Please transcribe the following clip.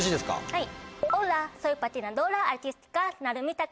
はい。